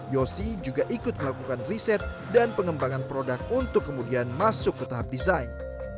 yosi juga ikut melakukan riset dan pengembangan produk untuk kemudian masuk ke tahap desain